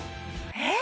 えっ？